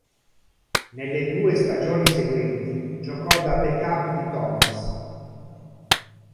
Nelle due stagioni seguenti, giocò da backup di Thomas.